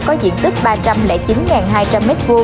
có diện tích ba trăm linh chín hai trăm linh m hai